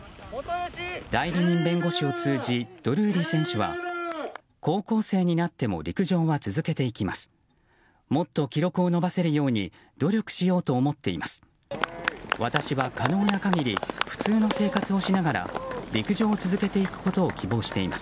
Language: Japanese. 代理人弁護士を通じドルーリー選手は高校生になっても陸上は続けていきます。